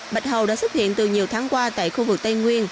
bạch hầu đã xuất hiện từ nhiều tháng qua tại khu vực tây nguyên